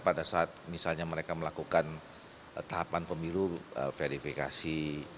pada saat misalnya mereka melakukan tahapan pemilu verifikasi